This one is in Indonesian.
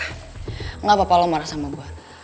tidak apa apa kalau anda marah dengan saya